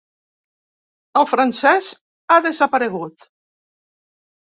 El francès ha desaparegut.